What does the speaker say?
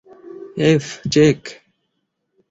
F, check.